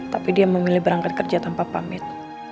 tapi dia mau milih berangkat kerja tanpa pamit